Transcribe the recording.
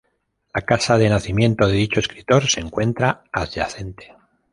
La casa de nacimiento de dicho escritor se encuentra adyacente.